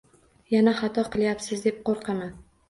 Yana xato qilyapsiz, deb qoʻrqaman.